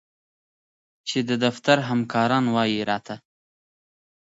چي د دفتر همكاران وايي راته’